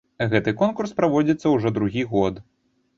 Гэты конкурс праводзіцца ўжо другі год.